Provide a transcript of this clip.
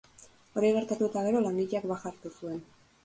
Hori gertatu eta gero, langileak baja hartu zuen.